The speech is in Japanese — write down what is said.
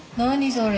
それ。